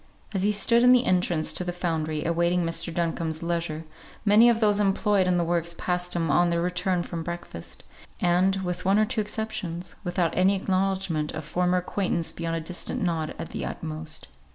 As he stood in the entrance to the foundry, awaiting Mr. Duncombe's leisure, many of those employed in the works passed him on their return from breakfast; and with one or two exceptions, without any acknowledgment of former acquaintance beyond a distant nod at the utmost.